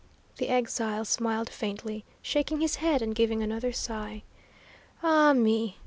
The exile smiled faintly, shaking his head and giving another sigh. "Ah, me!